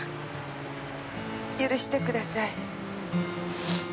許してください。